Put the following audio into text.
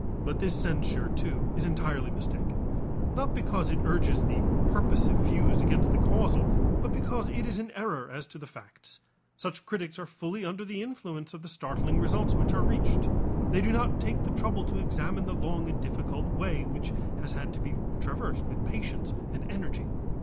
But this censure too is entirely mistaken, not because it urges the purposive views against the causal but because it is in error as to the facts. Such critics are fully under the influence of the startling results which are reached; they do not take the trouble to examine the long and difficult way which has had to be traversed with patience and energy.